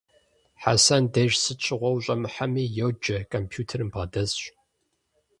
Хьэсэн деж сыт щыгъуэ ущӀэмыхьэми, йоджэ, компьютерым бгъэдэсщ.